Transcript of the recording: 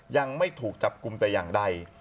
ยังไม่ถูกจับกลุ่มแต่อย่างใด